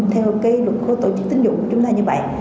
theo cái luật của tổ chức tín dụng của chúng ta như vậy